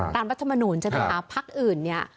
ตามรัฐมนุญจำนวนภาพอื่น